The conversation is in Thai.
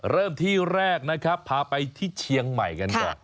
เริ่มที่แรกนะครับพาไปที่เชียงใหม่กันก่อน